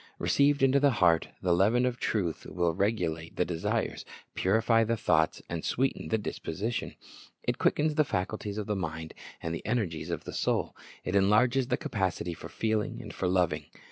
Received into the heart, the leaven of truth will regulate the desires, purify the thoughts, and sweeten the disposition. It quickens the faculties of the mind and the energies of the soul. It enlarges the capacity for feeling, for loving.